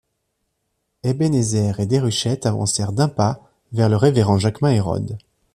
Ebenezer et Déruchette avancèrent d’un pas vers le révérend Jaquemin Hérode.